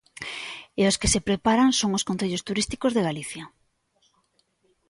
E os que se preparan son os concellos turísticos de Galicia.